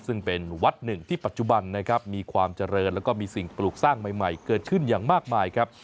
ซึ่งเป็นวัดหนึ่งที่ปัจจุบันนะครับมีความเจริญแล้วก็มีสิ่งปลูกสร้างใหม่เกิดขึ้นอย่างมากมายครับ